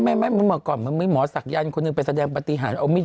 ไม่หมอสักยานคนหนึ่งไปแสดงปฏิหาร